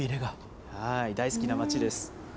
大好きな街です。